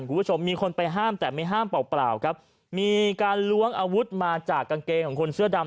คุณผู้ชมมีคนไปห้ามแต่ไม่ห้ามเปล่าเปล่าครับมีการล้วงอาวุธมาจากกางเกงของคนเสื้อดำ